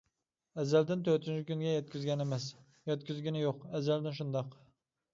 ئەزەلدىن تۆتىنچى كۈنىگە يەتكۈزگەن ئەمەس، يەتكۈزگىنى يوق، ئەزەلدىن شۇنداق.